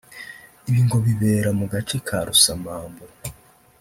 Ibi ngo bibera mu gace ka Rusamambu